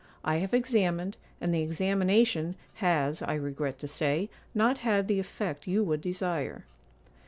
I have examined, and the examination has, I regret to say, not had the effect you would desire.